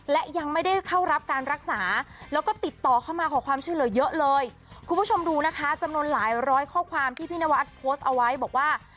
และยังไม่ได้เข้ารับการรักษาแล้วก็ติดต่อเข้ามาขอความช่วยเหลือเยอะเลยคุณผู้ชมดูนะคะจำนวนหลายร้อยข้อความที่พี่นวัดโพสต์เอาไว้บอกว่า